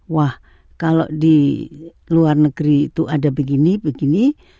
wah kalau di luar negeri itu ada begini begini